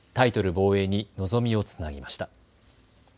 防衛に望みをつなぎました。